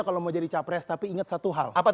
kalau mau jadi capres tapi ingat satu hal